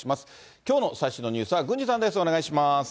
きょうの最新のニュースは郡司さんです。